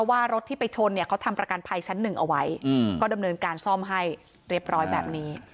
ว่ารถที่ไปชนเนี่ยเขาทำประกันภัยชั้นหนึ่งเอาไว้ก็ดำเนินการซ่อมให้เรียบร้อยแบบนี้